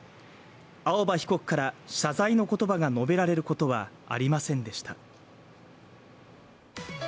青葉被告から謝罪の言葉が述べられることはありませんでした。